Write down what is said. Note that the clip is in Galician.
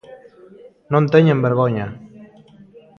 Non teñen vergoña.